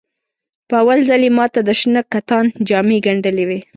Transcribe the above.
په اول ځل یې ماته د شنه کتان جامې ګنډلې وې.